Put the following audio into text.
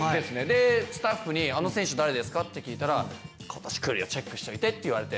でスタッフに「あの選手誰ですか？」って聞いたら「今年くるよチェックしといて」って言われて。